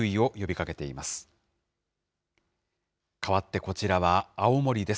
かわってこちらは青森です。